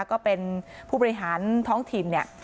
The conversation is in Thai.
ก็เป็นผู้บริหารท้องถิ่นเนี่ย